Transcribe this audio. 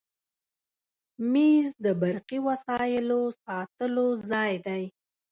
مېز د برقي وسایلو ساتلو ځای دی.